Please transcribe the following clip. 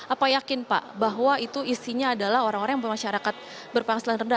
apa yakin pak bahwa itu isinya adalah orang orang yang bermasyarakat berpenghasilan rendah